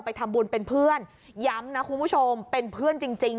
ไปทำบุญเป็นเพื่อนย้ำนะคุณผู้ชมเป็นเพื่อนจริง